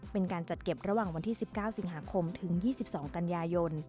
เป็นการจัดเก็บระหว่างวันที่๑๙สิงหาคมถึง๒๒กันยายน